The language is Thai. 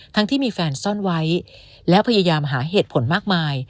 ที่มีแฟนซ่อนไว้แล้วพยายามหาเหตุผลมากมาย